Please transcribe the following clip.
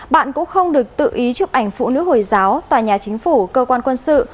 bạn cũng không được tự ý chụp ảnh phụ nữ hồi giáo tòa nhà chính phủ cơ quan quân sự